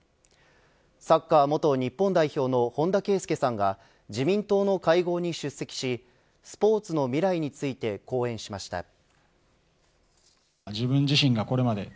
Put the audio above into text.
サッカー元日本代表の本田圭佑さんが自民党の会合に出席しスポーツの未来について講演しました。